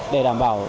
để đảm bảo